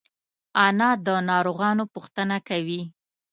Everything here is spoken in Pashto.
انا د ناروغانو پوښتنه کوي